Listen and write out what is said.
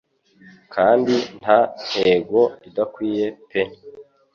Kandi nta ntego idakwiye pe